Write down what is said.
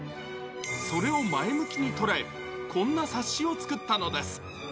それを前向きに捉え、こんな冊子を作ったのです。